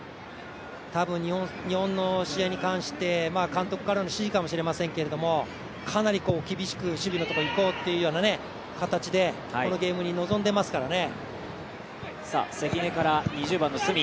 多分日本の試合に関して監督からの指示かもしれませんけどかなり、厳しく守備のところいこうっていうような形でこのゲームに臨んでますからね。